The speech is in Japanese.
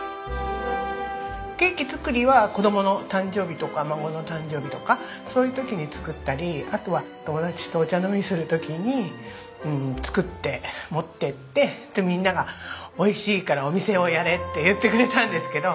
ケーキ作りは子供の誕生日とか孫の誕生日とかそういう時に作ったりあとは友達とお茶飲みする時に作って持って行ってでみんなが美味しいからお店をやれって言ってくれたんですけど。